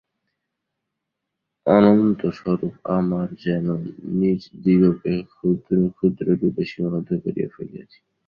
অনন্তস্বরূপ আমরা যেন নিজদিগকে ক্ষুদ্র ক্ষুদ্র রূপে সীমাবদ্ধ করিয়া ফেলিয়াছি।